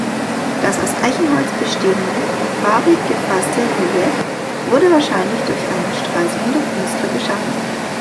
Das aus Eichenholz bestehende, farbig gefasste Relief wurde wahrscheinlich durch einen Stralsunder Künstler geschaffen.